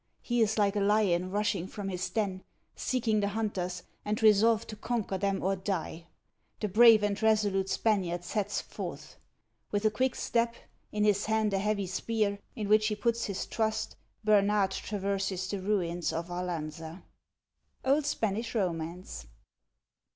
He is like a lion rushing from his den, seeking the hunters, and resolved to conquer them or die. The brave and resolute Spaniard sets forth. With a quick step, in his hand a heavy spear, in which he puts his trust, Bernard traverses the ruins of Arlanza. — Old Spanish Romance.